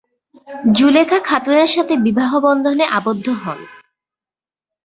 জুলেখা খাতুনের সাথে বিবাহ বন্ধনে আবদ্ধ হন।